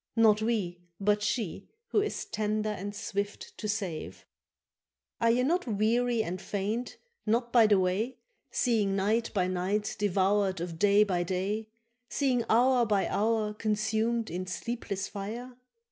—Not we but she, who is tender and swift to save —Are ye not weary and faint not by the way, Seeing night by night devoured of day by day, Seeing hour by hour consumed in sleepless fire?